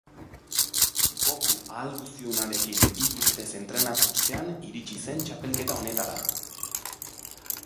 Goku Ahalguztidunarekin hiru urtez entrenatu ostean iritsi zen txapelketa honetara.